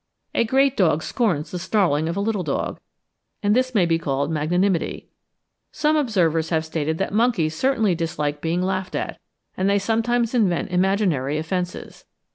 A great dog scorns the snarling of a little dog, and this may be called magnanimity. Several observers have stated that monkeys certainly dislike being laughed at; and they sometimes invent imaginary offences.